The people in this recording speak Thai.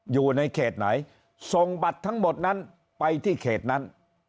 อยู่ในเขตไหนส่งบัตรทั้งหมดนั้นไปที่เขตนั้น